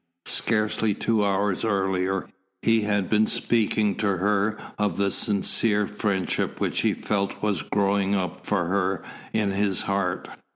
Scarcely two hours earlier, he had been speaking to her of the sincere friendship which he felt was growing up for her in his heart.